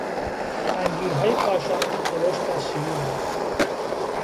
انجیرهای کاشان درشت و شیرین اند.